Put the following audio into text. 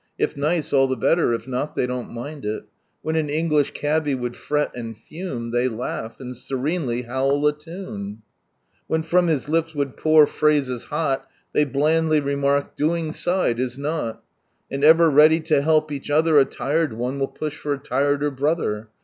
If nice, all the better, if not lliey don't mind it. When an English cabby woulil fret and fume They laugh, and serenely howl a tune. From Sunrise Land Wlien (lum his lips would [n)ur phrases hor. They bianiily remark — "Doing side is nol." And ever ready lo help each other, A lired one will push (or a llreder brolher.